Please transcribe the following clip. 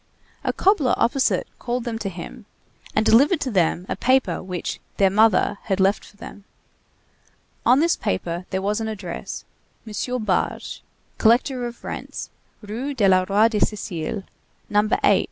A cobbler opposite called them to him, and delivered to them a paper which "their mother" had left for them. On this paper there was an address: M. Barge, collector of rents, Rue du Roi de Sicile, No. 8.